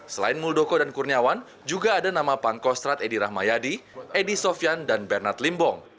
selain muldoko dan kurniawan juga ada nama pangkostrat edi rahmayadi edi sofyan dan bernard limbong